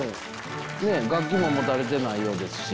楽器も持たれてないようですし。